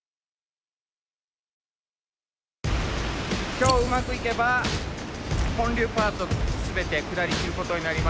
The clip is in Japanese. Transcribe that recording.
今日うまくいけば本流パート全て下り切ることになります。